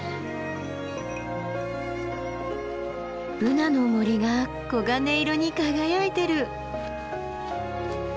ブナの森が黄金色に輝いてる！